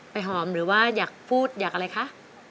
หอมหรือว่าอยากพูดอยากอะไรคะ